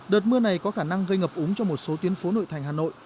đợt mưa này có khả năng gây ngập úng cho một số tuyến phố